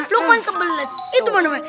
lukman gak mau lihat